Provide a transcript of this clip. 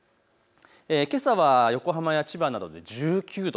けさは横浜や千葉などで１９度。